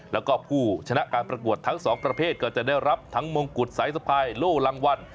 แล้วก็ผู้ชนะการประกวดทั้งสองประเภทก็จะได้รับทั้งมงกุฎสายสะพายโล่รางวัล